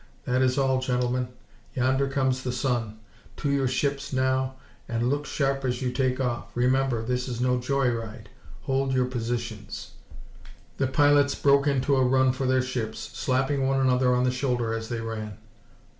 That is all, gentlemen. Yonder comes the sun. To your ships now, and look sharp as you take off. Remember, this is no joy ride. Hold your positions." The pilots broke into a run for their ships, slapping one another on the shoulder as they ran.